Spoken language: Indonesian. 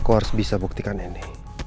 aku harus bisa buktikan ini